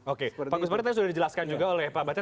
oke bagus banget tadi sudah dijelaskan juga oleh pak bater